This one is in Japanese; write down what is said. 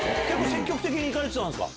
積極的にいかれてたんすか？